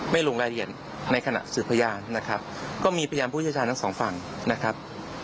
ลงรายละเอียดในขณะสืบพยานนะครับก็มีพยานผู้เชี่ยวชาญทั้งสองฝั่งนะครับ